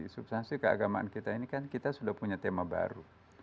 substansi keagamaan kita ini kan kita sudah punya tema baru